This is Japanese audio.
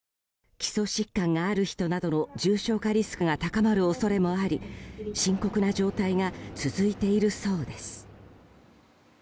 基礎疾患がある人などの重症化リスクが高まる恐れもあり深刻な状態が続いているそうです。